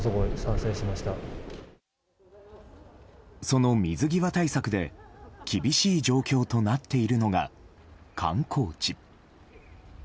その水際対策で厳しい状況となっているのが観光地。